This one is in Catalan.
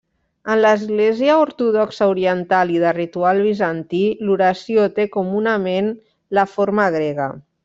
En l'Església Ortodoxa Oriental i de ritual bizantí, l'oració té comunament la forma grega.